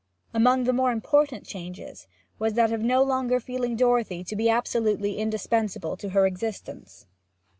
Among the more important changes was that of no longer feeling Dorothy to be absolutely indispensable to her existence.